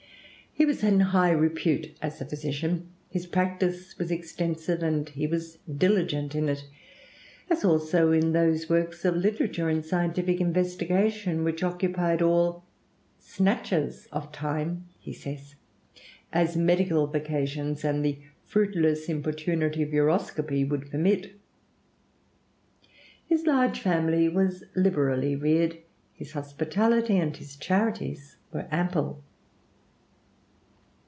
He was in high repute as a physician. His practice was extensive, and he was diligent in it, as also in those works of literature and scientific investigation which occupied all "snatches of time," he says, "as medical vacations and the fruitless importunity of uroscopy would permit." His large family was liberally reared; his hospitality and his charities were ample.